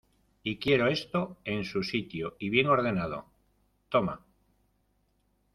y quiero esto en su sitio y bien ordenado. ¡ toma!